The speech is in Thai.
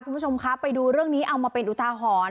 ทุกคนค่ะไปดูเรื่องนี้เอามาเป็นอุทาหรณ์